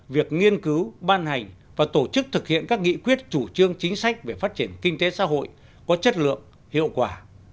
việc nghiên cứu ban hành và tổ chức thực hiện các nghị quyết chủ trương chính sách về phát triển kinh tế xã hội có chất lượng hiệu quả